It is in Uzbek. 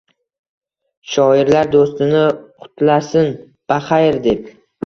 Shoirlar do’stini qutlasin, baxayr, deb